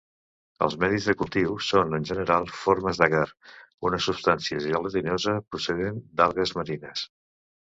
Els medis de cultiu són en general formes d'agar, una substància gelatinosa procedent d'algues marines.